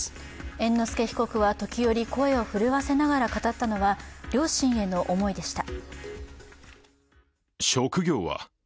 猿之助被告が時折、声を震わせながら語ったのは両親への思いでした。